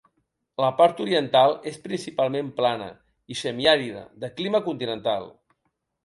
La part oriental és principalment plana i semiàrida de clima continental.